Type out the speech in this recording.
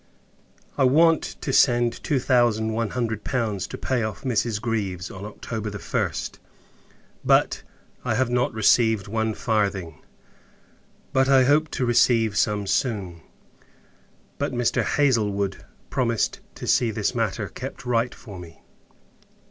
I want to send two thousand one hundred pounds, to pay off Mrs. Greaves, on October 1st. But, I have not received one farthing; but, I hope to receive some soon. But Mr. Haslewood promised to see this matter kept right for me.